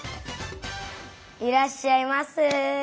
いらっしゃいませ！